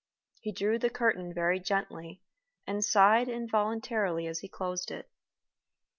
He drew the curtain very gently, and sighed involuntarily as he closed it.